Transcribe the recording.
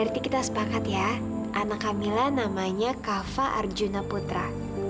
berarti kita sepakat ya anak kamila namanya kava arjuna putra